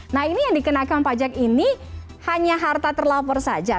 nah ini yang dikenakan pajak ini hanya harta terlapor saja